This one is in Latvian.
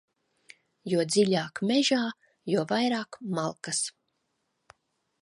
Jo dziļāk mežā, jo vairāk malkas.